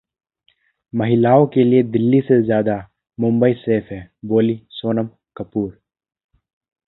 महिलाओं के लिए दिल्ली से ज्यादा मुंबई सेफ है बोलीं सोनम कपूर